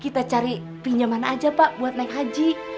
kita cari pinjaman aja pak buat naik haji